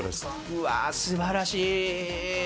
うわ、素晴らしい！